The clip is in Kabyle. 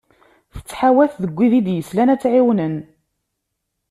Tettḥawat deg wid i d-yeslan ad tt-ɛiwnen.